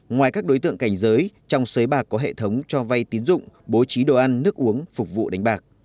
ngoài các đối tượng cảnh giới trong sới bạc có hệ thống cho vay tín dụng bố trí đồ ăn nước uống phục vụ đánh bạc